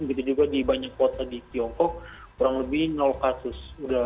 begitu juga di banyak kota di tiongkok kurang lebih kasus